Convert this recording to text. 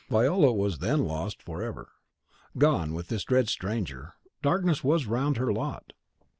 Viola was then lost forever, gone with this dread stranger; darkness was round her lot!